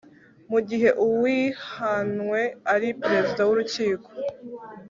mu gihe uwihanwe ari perezida w urukiko